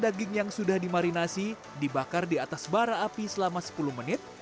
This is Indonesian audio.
daging yang sudah dimarinasi dibakar di atas bara api selama sepuluh menit